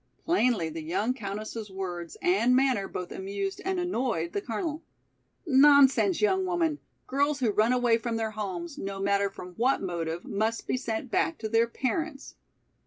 Plainly the young countess's words and manner both amused and annoyed the Colonel. "Nonsense, young woman, girls who run away from their homes no matter from what motive, must be sent back to their parents.